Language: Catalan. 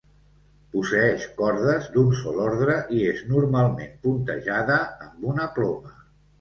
Posseeix cordes d'un sol ordre i és normalment puntejada amb una ploma.